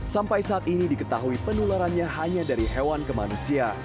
sampai saat ini diketahui penularannya hanya dari hewan ke manusia